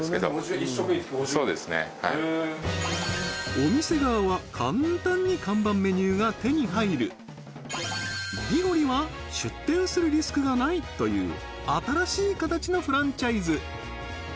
お店側は簡単に看板メニューが手に入るビゴリは出店するリスクがないという新しい形のフランチャイズ